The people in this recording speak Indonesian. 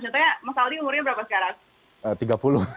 contohnya mas aldi umurnya berapa sekarang